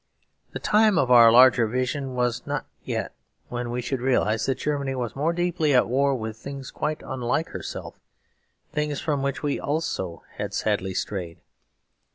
The time of our larger vision was not yet, when we should realise that Germany was more deeply at war with things quite unlike herself, things from which we also had sadly strayed.